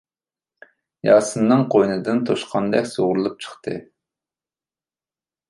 ياسىننىڭ قوينىدىن توشقاندەك سۇغۇرۇلۇپ چىقتى.